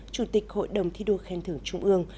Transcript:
chủ tịch hội đồng thi đua khen thưởng trung ương